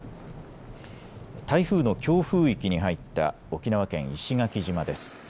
台風の強風域に入った沖縄県石垣島です。